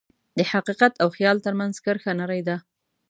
د حقیقت او خیال ترمنځ کرښه نری ده.